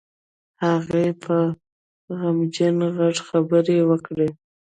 هغې په غمجن غږ خبرې وکړې.